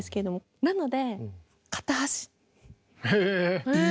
なので。